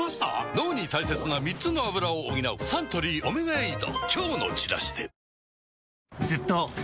脳に大切な３つのアブラを補うサントリー「オメガエイド」